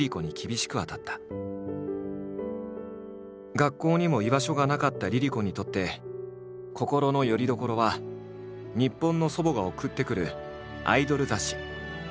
学校にも居場所がなかったＬｉＬｉＣｏにとって心のよりどころは日本の祖母が送ってくるアイドル雑誌。